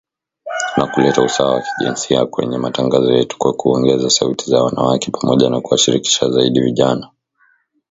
Na kuleta usawa wa jinsia kwenye matangazo yetu kwa kuongeza sauti za wanawake, pamoja na kuwashirikisha zaidi vijana